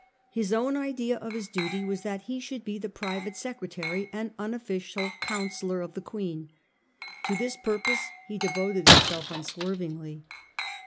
His own idea of his duty was that he should be the private secretary and unofficial counsellor of the Queen. To this purpose he devoted himself unswervingly.